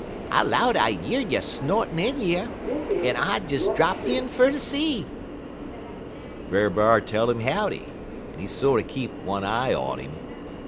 I 'low'd I yeard you snortin' in yer, en I des drapt in fer ter see.' "Brer B'ar tell him howdy, but he sorter keep one eye on 'im.